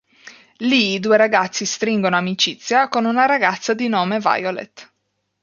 Lì i due ragazzi stringono amicizia con una ragazza di nome Violet.